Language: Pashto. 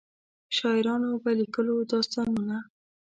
شاعرانو به لیکلو داستانونه.